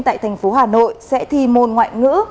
tại thành phố hà nội sẽ thi môn ngoại ngữ